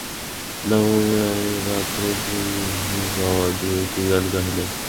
নবমীরাত্রে শ্রীরামকৃষ্ণের গাওয়া দু-একটি গান গাহিলেন।